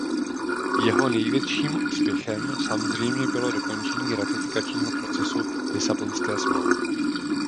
Jeho největším úspěchem samozřejmě bylo dokončení ratifikačního procesu Lisabonské smlouvy.